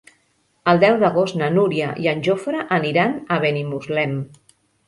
El deu d'agost na Núria i en Jofre aniran a Benimuslem.